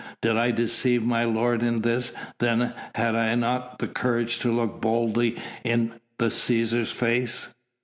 "Did I deceive my lord in this, then had I not the courage to look boldly in the Cæsar's face."